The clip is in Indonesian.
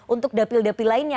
untuk dapil dapil lainnya